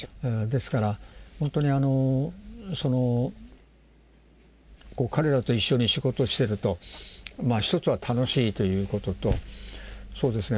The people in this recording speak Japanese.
ですからほんとにその彼らと一緒に仕事してると一つは楽しいということとそうですね